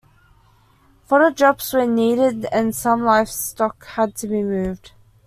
Fodder drops were needed and some livestock had to be moved.